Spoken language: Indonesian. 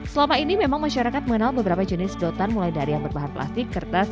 selama ini memang masyarakat mengenal beberapa jenis sedotan mulai dari yang berbahan plastik kertas